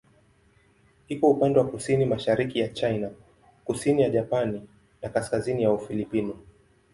Iko upande wa kusini-mashariki ya China, kusini ya Japani na kaskazini ya Ufilipino.